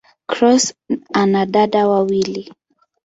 Cross ana dada wawili.